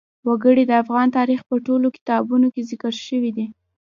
وګړي د افغان تاریخ په ټولو کتابونو کې ذکر شوي دي.